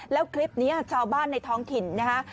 แล้วคลิปนี้ชาวบ้านในท้องถิ่นนะคะ